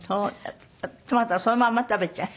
トマトはそのまま食べちゃう？